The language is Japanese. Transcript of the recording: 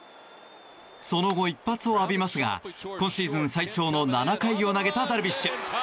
その後、一発を浴びますが今シーズン最長の７回を投げたダルビッシュ。